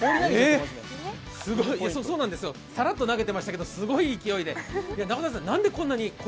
さらっと投げていましたけれどもすごい勢いで。